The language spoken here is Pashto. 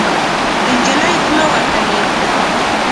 د نجلۍ خوله وتلې